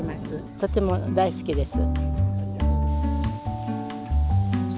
とても大好きです。